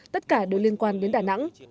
tất cả đều liên quan đến đà nẵng